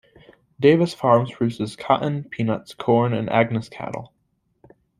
Davis Farms produces cotton, peanuts, corn, and Angus cattle.